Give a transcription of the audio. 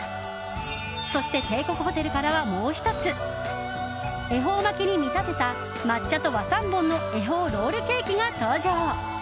そして、帝国ホテルからはもう１つ恵方巻きに見立てた抹茶と和三盆の恵方ロールケーキが登場。